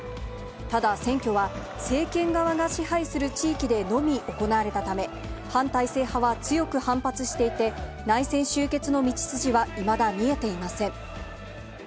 ただ選挙は、政権側が支配する地域でのみ行われたため、反体制派は強く反発していて、内戦終結の道筋はいまだ見えていません。